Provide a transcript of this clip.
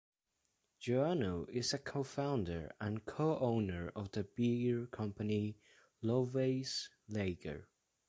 Joannou is a co-founder and co-owner of the Beer company Lovells Lager.